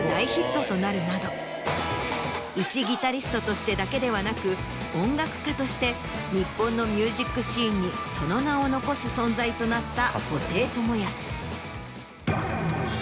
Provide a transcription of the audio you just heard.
いちギタリストとしてだけではなく音楽家として日本のミュージックシーンにその名を残す存在となった布袋寅泰。